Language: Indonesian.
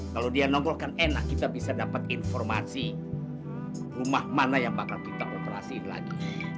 kalau dia nongkro kan enak kita bisa dapat informasi rumah mana yang bakal kita operasi lagi